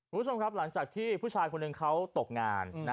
คุณผู้ชมครับหลังจากที่ผู้ชายคนหนึ่งเขาตกงาน